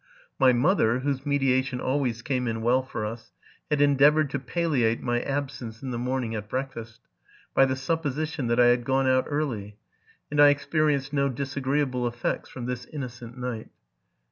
My mother, whose media tion always came in well for us, had endeavored to palliate my absence in the morning at breakfast, by the supposition that I had gone out early ; and I experienced no disagreeable effects from this innocent night.